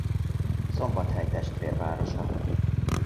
Szombathely testvérvárosa.